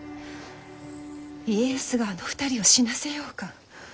家康があの２人を死なせようか。